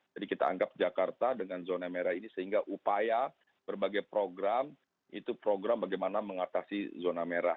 jadi kita anggap jakarta dengan zona merah ini sehingga upaya berbagai program itu program bagaimana mengatasi zona merah